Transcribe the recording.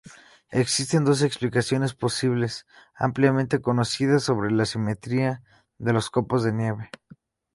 Existen dos explicaciones posibles ampliamente conocidas sobre la simetría de los copos de nieve.